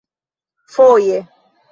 foje